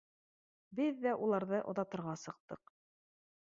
Беҙ ҙә уларҙы оҙатырға сыҡтыҡ.